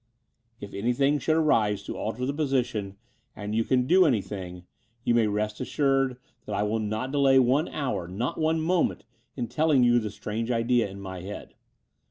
If anything should arise to alter the position and you can do anything, you may rest assured that I will not 126 The Door of the Unreal delay one hour, not one moment, in telling you the strange idea in my head.